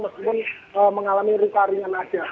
meskipun mengalami luka ringan saja